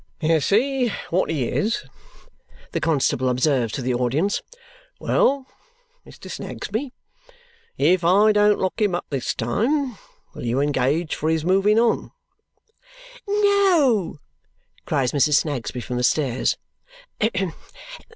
"You see what he is!" the constable observes to the audience. "Well, Mr. Snagsby, if I don't lock him up this time, will you engage for his moving on?" "No!" cries Mrs. Snagsby from the stairs.